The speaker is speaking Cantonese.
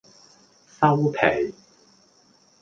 收皮